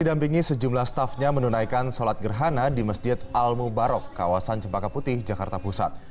didampingi sejumlah staffnya menunaikan sholat gerhana di masjid al mubarok kawasan cempaka putih jakarta pusat